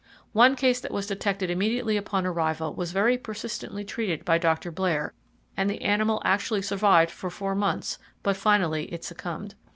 One case that was detected immediately upon arrival was very persistently treated by Dr. Blair, and the animal actually survived for four months, but finally it succumbed.